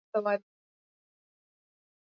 یو سل او څلور شپیتمه پوښتنه د لایحې محتویات دي.